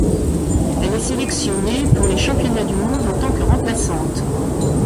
Elle est sélectionnée pour les championnats du monde en tant que remplaçante.